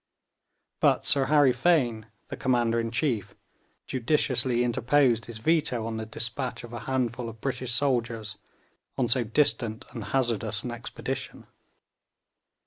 But Sir Harry Fane, the Commander in Chief, judiciously interposed his veto on the despatch of a handful of British soldiers on so distant and hazardous an expedition.